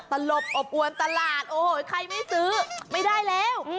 ตลบอบอวนตลาดโอ้โหใครไม่ซื้อไม่ได้แล้ว